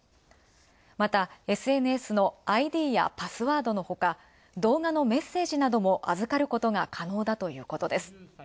また、ＳＮＳのＩＤやパスワードのほか、動画のメッセージなども預かることが可能がだといいます。